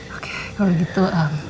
oke kalau gitu